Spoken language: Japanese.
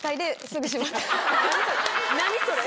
何それ。